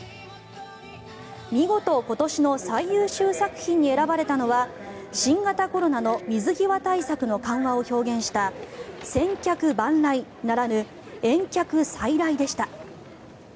見事、今年の最優秀作品に選ばれたのは新型コロナの水際対策の緩和を表現した「千客万来」ならぬ「遠客再来」でした。